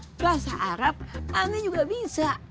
nggak seharap anja juga bisa